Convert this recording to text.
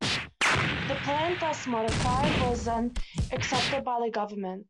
The plan, thus modified, was then accepted by the government.